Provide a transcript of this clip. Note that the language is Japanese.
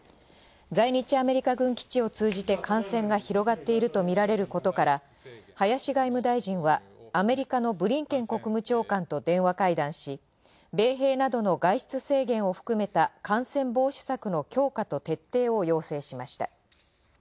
在日アメリカ軍基地を通じて感染が広がっているとみられることから林外務大臣はアメリカのブリンケン国務長官と電話会談し米兵などの外出制限を含めた感染防止策の強化と徹底を要請しました。